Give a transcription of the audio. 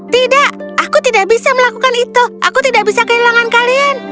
tidak aku tidak bisa melakukan itu aku tidak bisa kehilangan kalian